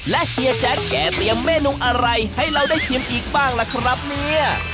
และเฮียแจ็คแกเตรียมเมนูอะไรให้เราได้ชิมอีกบ้างล่ะครับเนี่ย